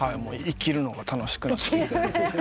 生きるのが楽しくなって。